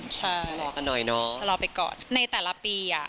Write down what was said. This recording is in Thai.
ใช่จะรอไปก่อนในแต่ละปี